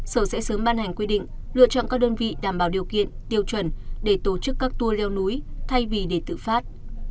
sở sẽ sớm ban hành quy định lựa chọn các đơn vị đảm bảo điều kiện tiêu chuẩn để tổ chức các tour leo núi thay vì để tự phát